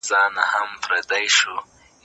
ټولنه به پرمختللې شوې وي.